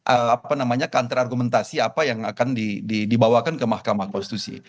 apa namanya counter argumentasi apa yang akan dibawakan ke mahkamah konstitusi